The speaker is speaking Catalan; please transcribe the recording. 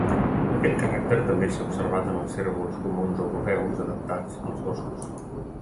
Aquest caràcter també s'ha observat en els cérvols comuns europeus adaptats als boscos.